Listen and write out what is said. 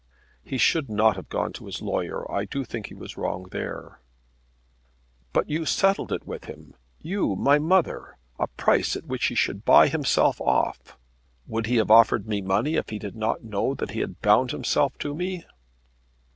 "He should not have gone to his lawyer. I do think he was wrong there." "But you settled it with him; you, my mother; a price at which he should buy himself off! Would he have offered me money if he did not know that he had bound himself to me?"